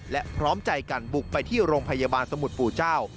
และพร้อมใจกันบุกไปที่โรงพยาบาลสมุทรปู่เจ้า